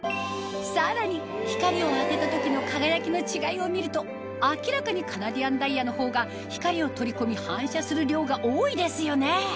さらに光を当てた時の輝きの違いを見ると明らかにカナディアンダイヤの方が光を取り込み反射する量が多いですよね